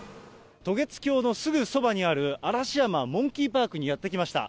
渡月橋のすぐそばにある、嵐山モンキーパークにやってまいりました。